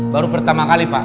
baru pertama kali pak